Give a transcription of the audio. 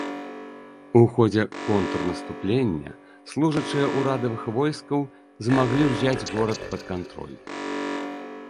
У ходзе контрнаступлення служачыя ўрадавых войскаў змаглі ўзяць горад пад кантроль.